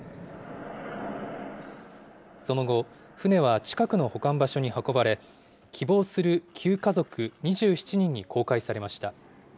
その後、船は近くの保管場所に運ばれ、希望する９家族２７人に公開されました。